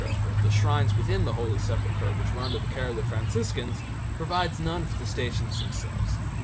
for the shrines within the Holy Sepulchre, which were under the care of the Franciscans, provides none for the Stations themselves.